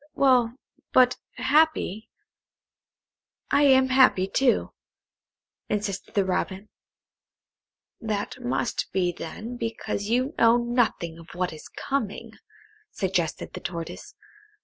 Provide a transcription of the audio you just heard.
"Well, but happy; I am happy, too," insisted the Robin. "That must be then because you know nothing of what is coming," suggested the Tortoise.